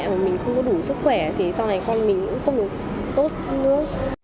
nếu là mẹ mà mình không có đủ sức khỏe thì sau này con mình cũng không được tốt nữa